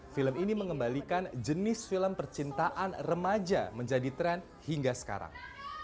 film ini mengembalikan jenis film percintaan remaja menjadi tren hingga sekarang